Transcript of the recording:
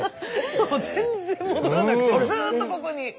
そう全然戻らなくてずっとここに。